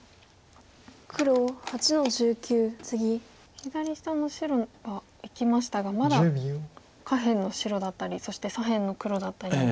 左下の白は生きましたがまだ下辺の白だったりそして左辺の黒だったり。